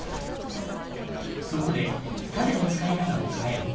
そこで盾の使い方を変える。